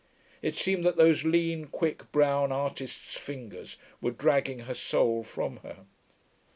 It seemed that those lean, quick, brown artist's fingers were dragging her soul from her.